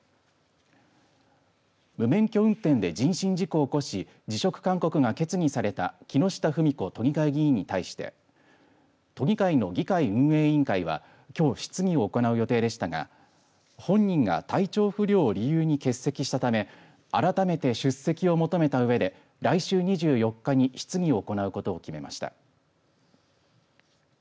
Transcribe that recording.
無免許運転で人身事故を起こし辞職勧告が決議された木下富美子都議会議員に対して都議会の議会運営委員会はきょう質疑を行う予定でしたが本人が体調不良を理由に欠席したため改めて出席を求めたうえで来週２４日に質疑を行うことを決めました。